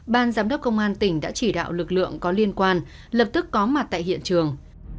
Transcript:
ban giám đốc công an tỉnh đã chỉ đạo lực lượng có liên quan lập tức có mặt tại hiện trường